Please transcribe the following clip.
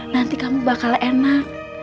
nanti kamu bakal enak